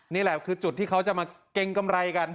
นี่แหละคือจุดที่เขาจะมาเกรงกำไรกัน